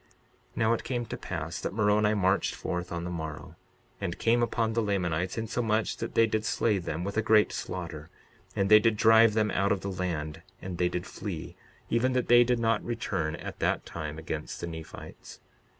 62:38 Now it came to pass that Moroni marched forth on the morrow, and came upon the Lamanites, insomuch that they did slay them with a great slaughter; and they did drive them out of the land; and they did flee, even that they did not return at that time against the Nephites.